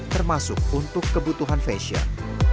termasuk untuk kebutuhan fashion